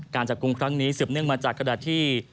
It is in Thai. การจับกลุ่มครั้งนี้สืบเนื่องมาจากกระดาษที่